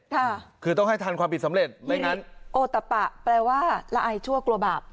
ค่ะคือต้องให้ทันความผิดสำเร็จไม่งั้นโอตะปะแปลว่าละอายชั่วกลัวบาป